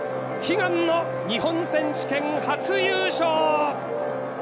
悲願の日本選手権初優勝！